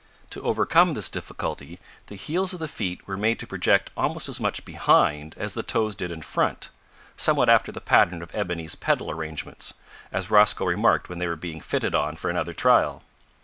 To overcome this difficulty the heels of the feet were made to project almost as much behind as the toes did in front somewhat after the pattern of Ebony's pedal arrangements, as Rosco remarked when they were being fitted on for another trial.